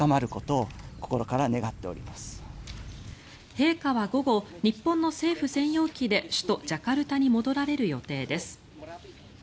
陛下は午後日本の政府専用機で首都ジャカルタに戻られる予定です。